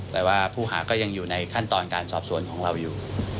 แต่ว่าผู้หาก็ยังอยู่ในขั้นตอนการสอบสวนของเราอยู่